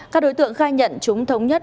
các đối tượng khai nhận chúng thống nhất